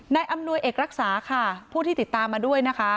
อำนวยเอกรักษาค่ะผู้ที่ติดตามมาด้วยนะคะ